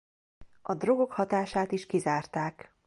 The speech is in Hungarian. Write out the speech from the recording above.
A drogok hatását is kizárták.